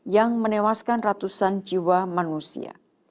yang menewaskan ratusan jiwa manusia